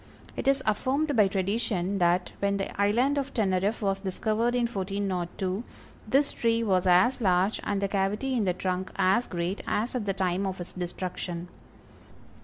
It is affirmed by tradition that, when the island of Teneriffe was discovered in 1402, this tree was as large, and the cavity in the trunk as great, as at the time of its destruction.